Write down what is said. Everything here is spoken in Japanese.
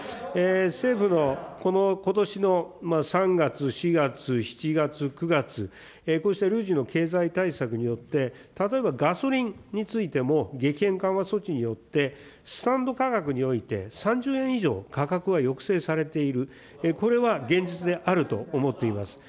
政府のこのことしの３月、４月、７月、９月、こうした累次の経済対策によって、例えばガソリンについても激変緩和措置によって、スタンド価格において３０円以上価格は抑制されている、これは現実であると思っています。